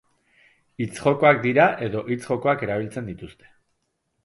Hitz-jokoak dira edo hitz-jokoak erabiltzen dituzte.